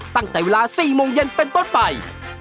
ตั้งแต่เวลา๔โมงเย็นเป็นต้นไป